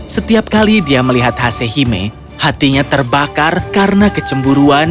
setiap kali dia melihat hasehime hatinya terbakar karena kecemburuan